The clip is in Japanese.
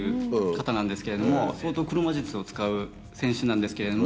相当黒魔術を使う選手なんですけれども。